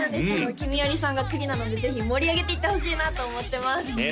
きみよりさんが次なのでぜひ盛り上げていってほしいなと思ってますねえ